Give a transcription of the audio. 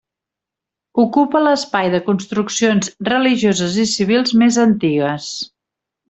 Ocupa l'espai de construccions religioses i civils més antigues.